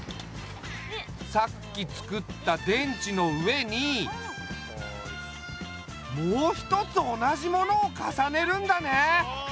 さっきつくった電池の上にもう一つ同じものを重ねるんだね。